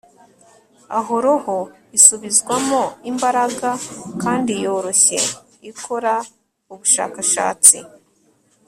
Aho roho isubizwamo imbaraga kandi yoroshye ikora ubushakashatsi